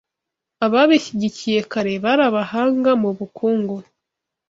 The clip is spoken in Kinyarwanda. Ababishyigikiye kare bari abahanga mu bukungu